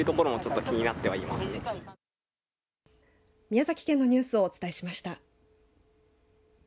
宮崎県のニュースをお伝えしました。